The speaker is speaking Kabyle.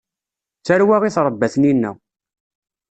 D tarwa i trebba tninna.